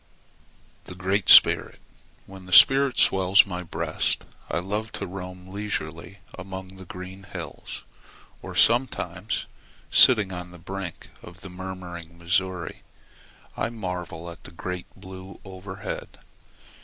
THE GREAT SPIRIT When the spirit swells my breast I love to roam leisurely among the green hills; or sometimes, sitting on the brink of the murmuring Missouri, I marvel at the great blue overhead.